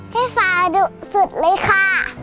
พี่สาดุสุดเลยค่ะ